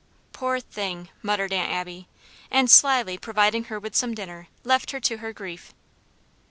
"Poor thing," muttered Aunt Abby; and slyly providing her with some dinner, left her to her grief.